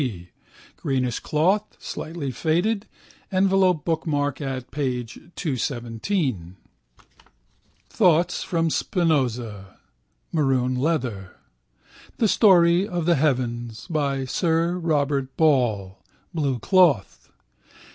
P. (green cloth, slightly faded, envelope bookmark at p. 217). Thoughts from Spinoza (maroon leather). The Story of the Heavens by Sir Robert Ball (blue cloth).